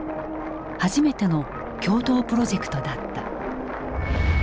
初めての共同プロジェクトだった。